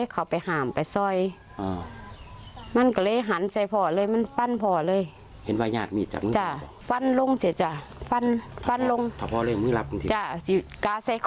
ฆาตแล้วเชื้อนออกเลยจ้ะ